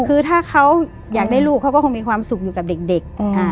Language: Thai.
คือถ้าเขาอยากได้ลูกเขาก็คงมีความสุขอยู่กับเด็ก